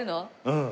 うん。